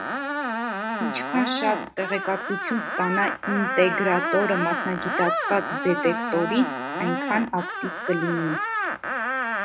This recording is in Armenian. Ինչքան շատ տեղեկատվություն ստանա ինտեգրատորը մասնագիտացված դետեկտորից, այնքան ակտիվ կլինի։